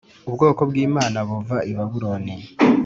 ubwoko bw’imana buva i babuloni